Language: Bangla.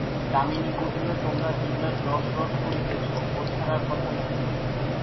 দামিনী কহিল, তোমরা দিনরাত রস রস করিতেছ, ও ছাড়া আর কথা নাই।